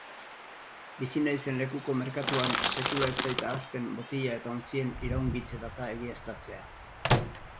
Bizi naizen lekuko merkatuan sekula ez zait ahazten botila eta ontzien iraungitze-data egiaztatzea.